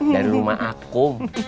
dari rumah aku